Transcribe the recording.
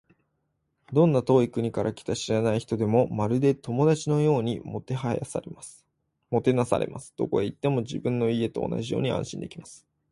どんな遠い国から来た知らない人でも、まるで友達のようにもてなされます。どこへ行っても、自分の家と同じように安心できます。